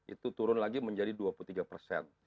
itu turun lagi menjadi dua puluh tiga persen